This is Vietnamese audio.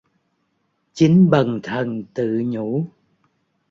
Chính bần thần tự nhủ